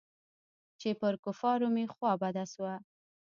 چې پر کفارو مې خوا بده سوه.